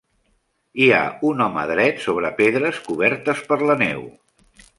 Hi ha un home dret sobre pedres cobertes per la neu.